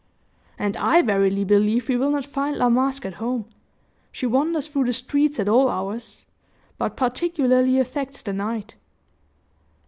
"And I verily believe we will not find La Masque at home. She wanders through the streets at all hours, but particularly affects the night."